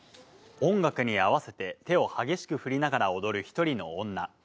音楽に合わせて手を激しく振りながら踊る１人の女。